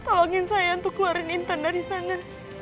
tolongin saya untuk keluarin intan dari sana